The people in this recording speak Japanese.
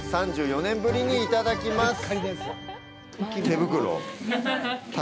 ３４年ぶりにいただきます。